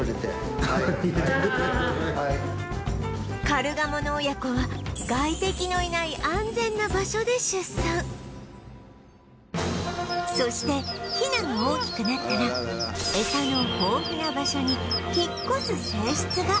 カルガモの親子は外敵のいないそしてヒナが大きくなったらエサの豊富な場所に引っ越す性質が